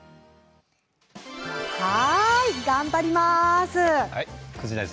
はい、頑張ります。